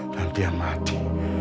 dan dia mati